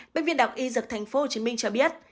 bên viên đạo y dực tp hcm cho biết